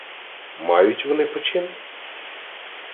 — Мають вони почин?